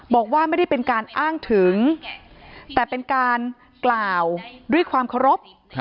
บอกว่าไม่ได้เป็นการอ้างถึงแต่เป็นการกล่าวด้วยความเคารพ